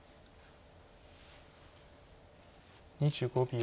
２５秒。